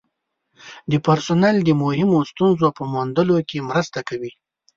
د پرسونل د مهمو ستونزو په موندلو کې مرسته کوي.